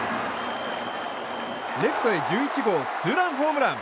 レフトへ１１号ツーランホームラン！